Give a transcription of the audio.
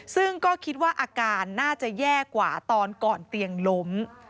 ซึ่งก็คิดว่าอาการน่าจะแย่กว่าตอนก่อนเตียงล้ม